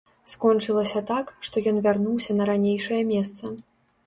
Скончылася так, што ён вярнуўся на ранейшае месца.